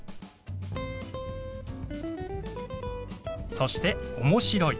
そして「面白い」。